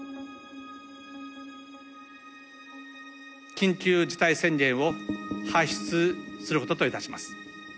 「緊急事態宣言を発出することといたします」。